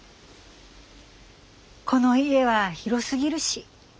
この家は広すぎるし。